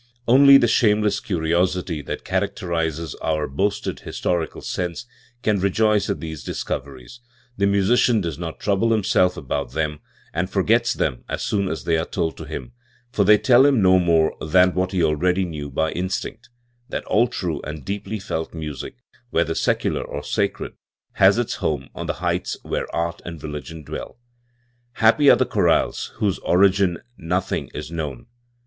Only the shameless curiosity that characterises our boasted historical sense can rejoice at these discoveries, The musician dors not trouble himself about them, and forgets them as soon as they are told to him; for they tell him no more than what he already knew by instinct that all true and deeply felt music, whether secular or sacred, has its home on the heights where art and religion dwell. Happy are the chorales of whose origin nothing is known!